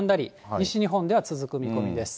西日本では続く見込みです。